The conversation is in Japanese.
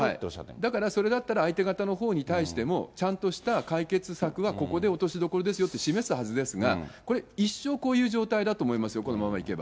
だからそれだったら相手方のほうに対しても、ちゃんとした解決策は、ここで落としどころですよって示すはずですが、これ、一生、こういう状態だと思いますよ、このままいけば。